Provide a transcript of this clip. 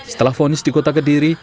setelah fonis di kota kediri